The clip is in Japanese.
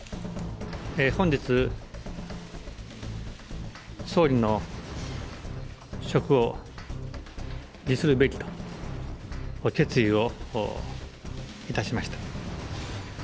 本日、総理の職を辞するべきと決意をいたしました。